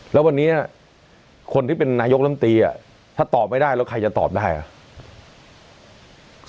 แล้ววันนี้คนที่เป็นนายกลำตีถ้าตอบไม่ได้แล้วใครจะตอบได้อ่ะ